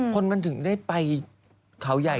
คนมันถึงได้ไปเขาใหญ่